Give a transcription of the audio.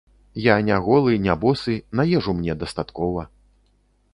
Я не голы, не босы, на ежу мне дастаткова.